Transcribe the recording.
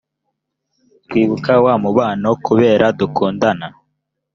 twibuka wa mubabano kubera dukundana